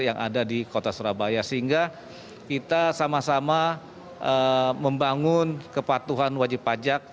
yang ada di kota surabaya sehingga kita sama sama membangun kepatuhan wajib pajak